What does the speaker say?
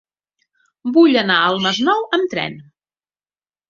Vull anar al Masnou amb tren.